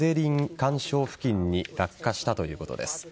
環礁付近に落下したということです。